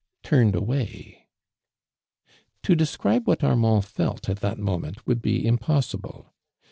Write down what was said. turned careless away. To describe wliat Aimand felt at that moment would bu iinpo'<sil)le.